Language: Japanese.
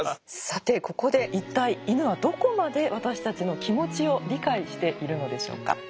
さてここで一体イヌはどこまで私たちの気持ちを理解しているのでしょうか。